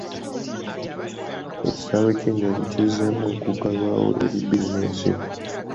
Ekisaawe ky'ennyonyi kizzeemu okuggulwawo eri bizinensi.